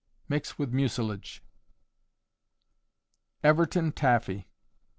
Mix with mucilage. _Everton Taffee.